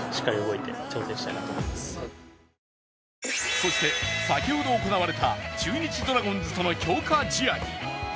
そして、先ほど行われた中日ドラゴンズとの強化試合。